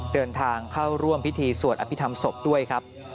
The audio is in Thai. เดินทางเข้าร่วมพิธีสวดอภิษฐรรมศพด้วยครับ